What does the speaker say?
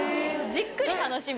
じっくり楽しむ。